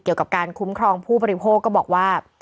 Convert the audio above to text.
เกี่ยวกับการคุ้มครองผู้บริโภคก็บอกว่า